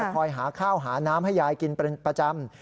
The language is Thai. คอยหาข้าวหาน้ำให้ยายกินเป็นประจำ